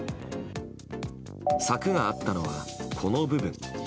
柵があったのはこの部分。